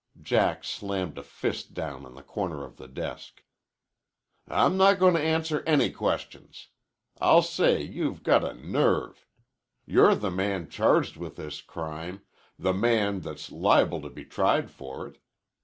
Jack slammed a fist down on the corner of the desk. "I'm not going to answer any questions! I'll say you've got a nerve! You're the man charged with this crime the man that's liable to be tried for it.